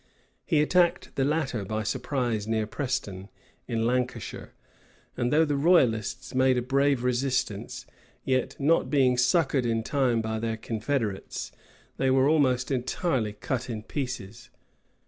He attacked the latter by surprise near Preston, in Lancashire; and though the royalists made a brave resistance, yet, not being succored in time by their confederates, they were almost entirely cut in pieces.